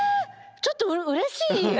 ちょっとうれしい。